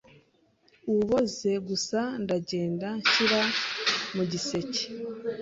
uboze gusa ndagenda nshyira mu giseke